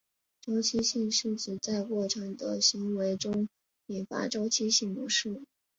周期性是指在过程的行为中引发周期性模式。